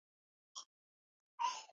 ښوونکی مخکې درس تشریح کړی و.